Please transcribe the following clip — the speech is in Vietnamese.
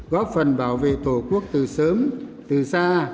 góp phần bảo vệ tổ quốc từ sớm từ xa